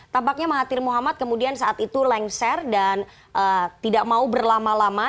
tampaknya mahathir muhammad kemudian saat itu lengser dan tidak mau berlama lama